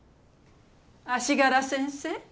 足柄先生